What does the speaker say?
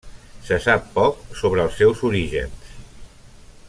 Se sap poc sobre els seus orígens.